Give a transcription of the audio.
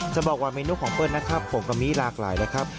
จะบอกว่าเมนูของเปิ้ลนะครับผงกะมิหลากหลายแล้วครับ